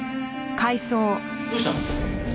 どうしたの？